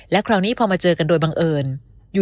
คราวนี้พอมาเจอกันโดยบังเอิญ